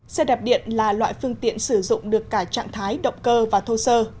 xe đạp điện là loại phương tiện sử dụng được cả trạng thái động cơ và thô sơ